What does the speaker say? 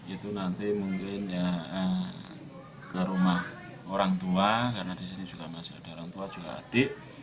itu nanti mungkin ya ke rumah orang tua karena di sini juga masih ada orang tua juga adik